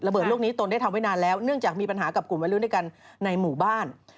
เบิดลูกนี้ตนได้ทำไว้นานแล้วเนื่องจากมีปัญหากับกลุ่มวัยรุ่นด้วยกันในหมู่บ้าน